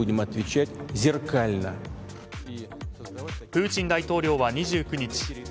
プーチン大統領は２９日